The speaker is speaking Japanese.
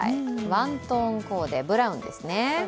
ワントーンコーデ、ブラウンですね。